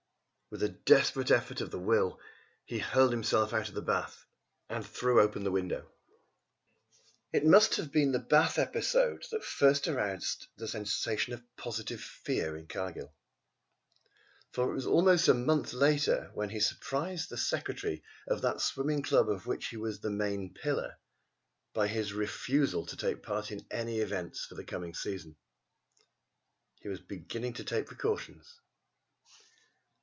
With a desperate effort of the will he hurled himself out of the bath and threw open the window. It must have been the bath episode that first aroused the sensation of positive fear in Cargill. For it was almost a month later when he surprised the secretary of that swimming club of which he was the main pillar by his refusal to take part in any events for the coming season. He was beginning to take precautions.